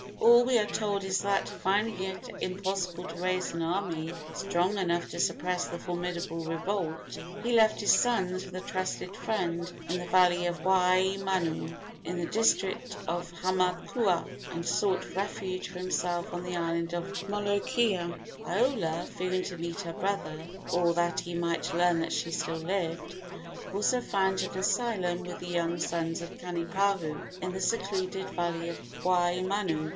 All we are told is that, finding it impossible to raise an army strong enough to suppress the formidable revolt, he left his sons with a trusted friend in the valley of Waimanu, in the district of Hamakua, and sought refuge for himself on the island of Molokai. Iola, fearing to meet her brother, or that he might learn that she still lived, also found an asylum with the young sons of Kanipahu in the secluded valley of Waimanu.